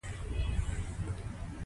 غټۍ کورنۍ د اتفاق تر چتر لاندي ژوند کیي.